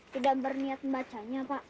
tidak berniat membacanya pak